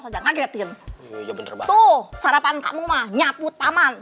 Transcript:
sarapan kamu nyapu taman